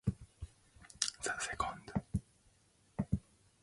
The second purpose was procreation.